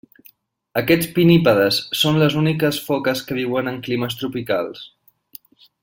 Aquests pinnípedes són les úniques foques que viuen en climes tropicals.